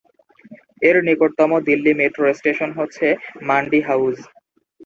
এর নিকটতম Delhi metro station হচ্ছে মান্ডি হাউস।